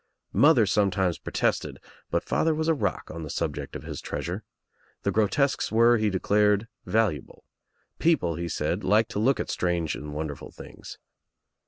Mother sometimes protested but father was a rock on the subject of his treasure. The grotesques were, he declared, valuable. People, he said, liked to look at strange and wonderful things.